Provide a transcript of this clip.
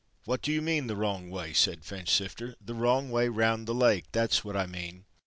"What do you mean the wrong way?" said Finchsifter. "The wrong way round the Lake that's what I mean!"